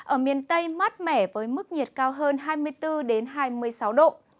ở miền tây mát mẻ với mức nhiệt cao hơn hai mươi bốn hai mươi sáu độ